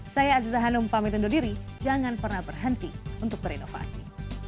saya aziza hanum pamit undur diri jangan pernah berhenti untuk berinovasi